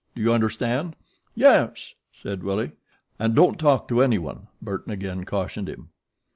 Do you understand?" "Yes," said Willie. "And don't talk to anyone," Burton again cautioned him.